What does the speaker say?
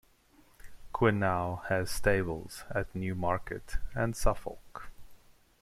Quinn now has stables at Newmarket in Suffolk.